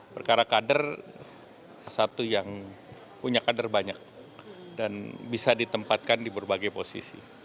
perkara kader satu yang punya kader banyak dan bisa ditempatkan di berbagai posisi